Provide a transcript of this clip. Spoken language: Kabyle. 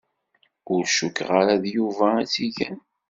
Ur cukkeɣ ara d Yuba i tt-igan.